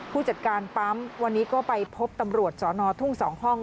ผู้จัดการปั๊มวันนี้ก็ไปพบตำรวจสอนอทุ่ง๒ห้อง